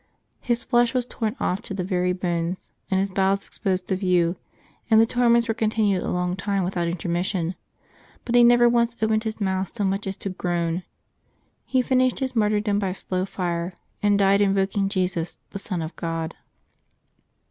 His flesh was torn off to the very bones, and his bowels exposed to view, and the torments were continued a long time without intermission, but he never once opened his mouth so much as to groan. He finished his mart3Tdom by a slow fire, and died invoking Jesus, the Son of God.